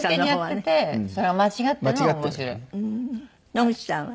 野口さんは？